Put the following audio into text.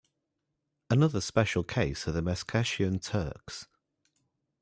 Another special case are Meskhetian Turks.